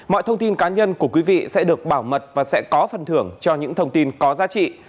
mọi thông tin cá nhân của quý vị sẽ được bảo mật và sẽ có phần thưởng cho những thông tin có giá trị